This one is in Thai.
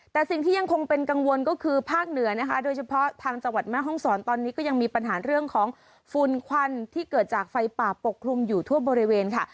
แต่สิ่งที่ยังคงเป็นกังวลก็คือภาคเหนือนะคะโดยเฉพาะทางจังหวัดแม่ห้องศรตอนนี้ก็ยังมีปัญหาเรื่องของฝุ่นควันที่เกิดจากไฟป่าปกคลุมอยู่ทั่วบริเวณค่ะ